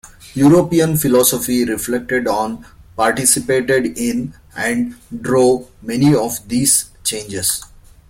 European philosophy reflected on, participated in, and drove, many of these changes.